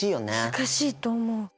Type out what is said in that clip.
難しいと思う。